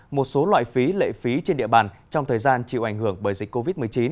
một số loại phí lệ phí trên địa bàn trong thời gian chịu ảnh hưởng bởi dịch covid một mươi chín